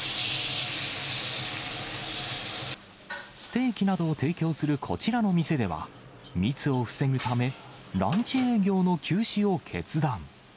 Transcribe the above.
ステーキなどを提供するこちらの店では、密を防ぐため、ランチ営業の休止を決断。